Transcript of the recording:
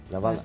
dạ vâng ạ